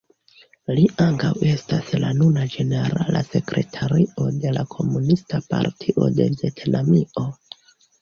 Li ankaŭ estas la nuna ĝenerala sekretario de la Komunista Partio de Vjetnamio.